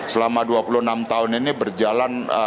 selama dua puluh enam tahun ini berjalan